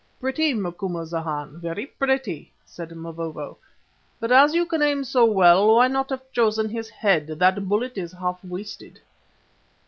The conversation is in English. "Pretty, Macumazana, very pretty!" said Mavovo, "but as you can aim so well, why not have chosen his head? That bullet is half wasted."